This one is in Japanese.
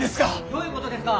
・どういうことですか。